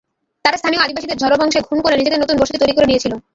তারা স্থানীয় আদিবাসীদের ঝাড়েবংশে খুন করে নিজেদের নতুন বসতি তৈরি করে নিয়েছিল।